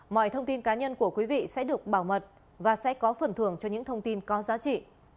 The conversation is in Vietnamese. mọi thông tin cá nhân của quý vị sẽ được bảo mật và sẽ có phần thường cho những thông tin có giá trị